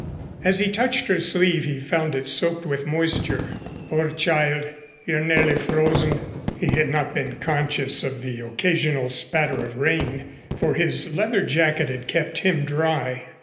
As he touched her sleeve he found it soaked with moisture. "Poor child. You're nearly frozen." He had not been conscious of the occasional spatter of rain, for his leather jacket had kept him dry.